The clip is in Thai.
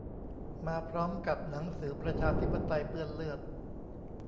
มาพร้อมกับหนังสือ "ประชาธิปไตยเปื้อนเลือด"